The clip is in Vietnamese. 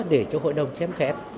để cho hội đồng chém kẹt